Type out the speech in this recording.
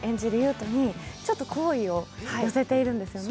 斗にちょっと好意を寄せているんですよね。